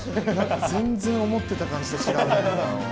全然思ってた感じと違うんだよな。